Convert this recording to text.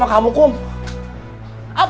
apa sih tujuannya berumah tangga